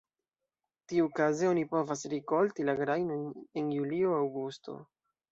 Tiukaze oni povas rikolti la grajnojn en julio-aŭgusto.